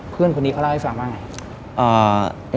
เพื่อนคนนี้เขาเล่าให้ฟังว่าไง